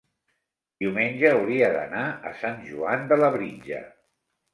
Diumenge hauria d'anar a Sant Joan de Labritja.